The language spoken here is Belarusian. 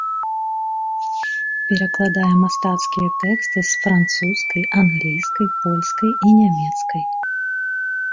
Перакладае мастацкія тэксты з французскай, англійскай, польскай і нямецкай.